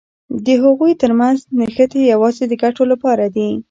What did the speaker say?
د هغوی تر منځ نښتې یوازې د ګټو لپاره دي.